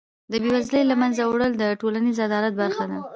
د بېوزلۍ له منځه وړل د ټولنیز عدالت برخه ده.